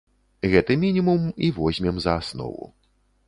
Гэты мінімум і возьмем за аснову.